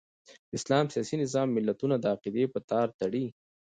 د اسلام سیاسي نظام ملتونه د عقیدې په تار تړي.